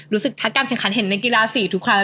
รู้สึกถ้าการแข่งขันเห็นในกีฬา๔ทุกครั้ง